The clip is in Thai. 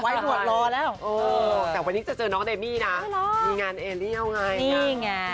มีงานเอเลี่ยวไง